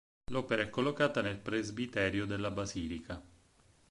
L'opera è collocata nel presbiterio della basilica.